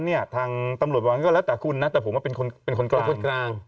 เนี่ยทางตำรวจวางก็แล้วแต่คุณนะแต่ผมเป็นคนเป็นคนกลาง